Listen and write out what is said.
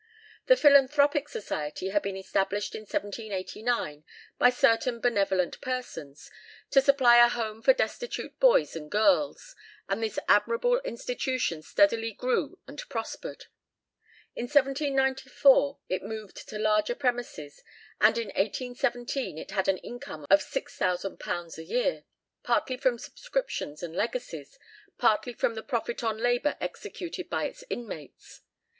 The Philanthropic Society had been established in 1789 by certain benevolent persons, to supply a home for destitute boys and girls, and this admirable institution steadily grew and prospered. In 1794 it moved to larger premises, and in 1817 it had an income of £6000 a year, partly from subscriptions and legacies, partly from the profit on labour executed by its inmates.